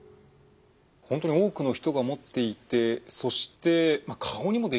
本当に多くの人が持っていてそして顔にもできる可能性がある。